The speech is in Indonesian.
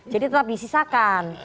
jadi tetap disisakan